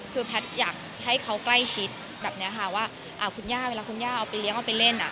คือแพทย์อยากให้เขาใกล้ชิดแบบนี้ค่ะว่าคุณย่าเวลาคุณย่าเอาไปเลี้ยเอาไปเล่น